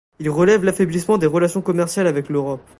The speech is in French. Il relève l'affaiblissement des relations commerciales avec l'Europe.